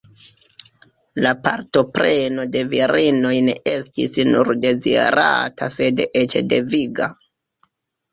La partopreno de virinoj ne estis nur dezirata sed eĉ deviga.